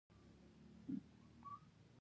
که په لوی لاس ها توری ورزیات کړو.